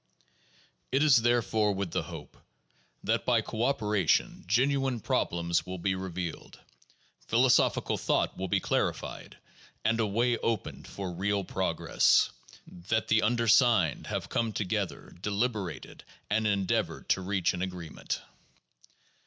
It is therefore with the hope that by cooperation genuine prob lems will be revealed, philosophical thought will be clarified, and a way opened for real progress, that the undersigned have come to gether, deliberated, and endeavored to reach an agreement.